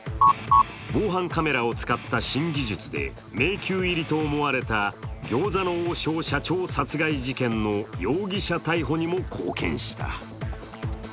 防犯カメラを使った新技術で迷宮入りと思われた餃子の王将社長殺害事件の容疑者逮捕にも貢献した。